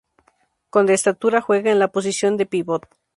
Con de estatura, juega en la posición de pívot.